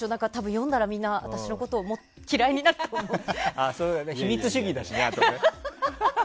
読んだらみんな私のこと秘密主義だしね、あとね。